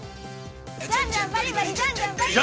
「ジャンジャンバリバリジャンジャンバリバリ！」